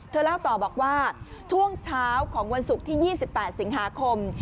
เล่าต่อบอกว่าช่วงเช้าของวันศุกร์ที่๒๘สิงหาคม